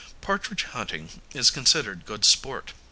Partridge hunting is considered good sport.